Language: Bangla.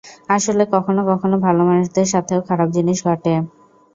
আসলে, কখনও কখনও ভাল মানুষদের সাথেও খারাপ জিনিস ঘটে।